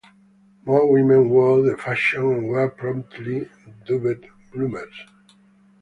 More women wore the fashion and were promptly dubbed "Bloomers".